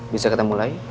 bisa ketemu lagi